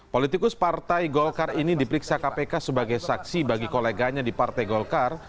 politikus partai golkar ini diperiksa kpk sebagai saksi bagi koleganya di partai golkar